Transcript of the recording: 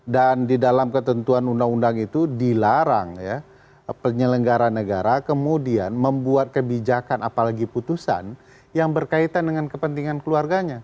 dan di dalam ketentuan undang undang itu dilarang ya penyelenggaran negara kemudian membuat kebijakan apalagi putusan yang berkaitan dengan kepentingan keluarganya